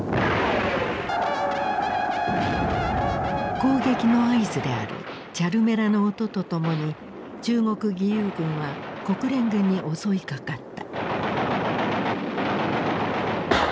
攻撃の合図であるチャルメラの音とともに中国義勇軍は国連軍に襲いかかった。